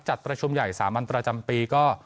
จัดประชุมใหญ่๓วันประจำปีก็